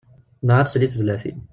Neɣ ad tsel i tezlatin.